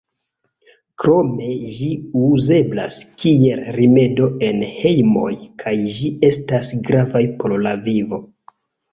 Krome ĝi uzeblas kiel rimedo en hejmoj kaj ĝi estas gravaj por la vivo.